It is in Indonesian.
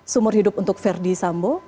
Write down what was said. sumur hidup untuk ferdi sambo